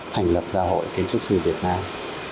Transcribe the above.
thành lập gia hội kiến trúc sư việt nam